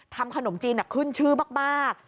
ขนมจีนขึ้นชื่อมาก